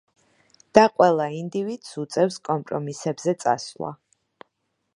და ყველა ინდივიდს უწევს კომპრომისებზე წასვლა.